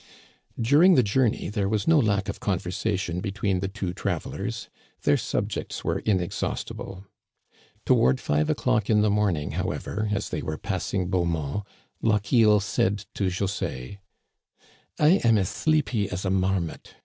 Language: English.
During the journey there was no lack of conversation between the two travelers ; their subjects were inex haustible. Toward five o'clock in the morning, however, as they were passing Beaumont, Lochiel said to José :I am as sleepy as a marmot.